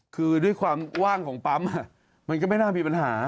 คือด้วยความว่างของปั๊มมันก็ไม่น่ามีปัญหา